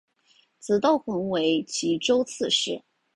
子窦恽后为岐州刺史。